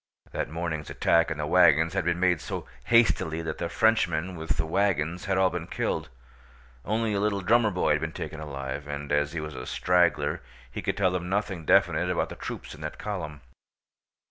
That morning's attack on the wagons had been made so hastily that the Frenchmen with the wagons had all been killed; only a little drummer boy had been taken alive, and as he was a straggler he could tell them nothing definite about the troops in that column.